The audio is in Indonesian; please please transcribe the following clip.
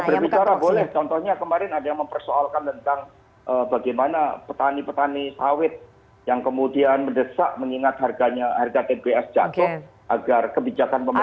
berbicara boleh contohnya kemarin ada yang mempersoalkan tentang bagaimana petani petani sawit yang kemudian mendesak mengingat harga tps jatuh agar kebijakan pemerintah